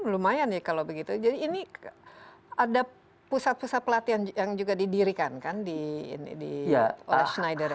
lumayan ya kalau begitu jadi ini ada pusat pusat pelatihan yang juga didirikan kan oleh schneider